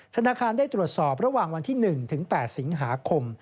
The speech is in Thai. ธนาคารได้ตรวจสอบระหว่างวันที่๑ถึง๘สิงหาคม